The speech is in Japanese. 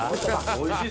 「おいしい」